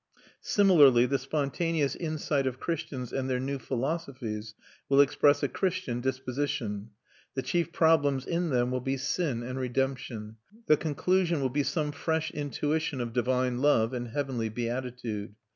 Similarly, the spontaneous insight of Christians and their new philosophies will express a Christian disposition. The chief problems in them will be sin and redemption; the conclusion will be some fresh intuition of divine love and heavenly beatitude.